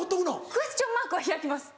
クエスチョンマークは開きます。